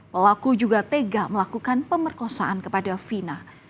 pelaku juga tega melakukan pemerkosaan kepada fina